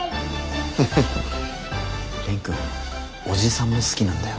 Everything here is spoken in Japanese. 蓮くんおじさんも好きなんだよ。